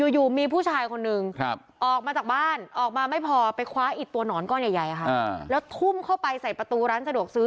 อยู่มีผู้ชายคนนึงออกมาจากบ้านออกมาไม่พอไปคว้าอิดตัวหนอนก้อนใหญ่ค่ะแล้วทุ่มเข้าไปใส่ประตูร้านสะดวกซื้อ